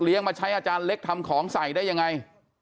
มาใช้อาจารย์เล็กทำของใส่ได้ยังไง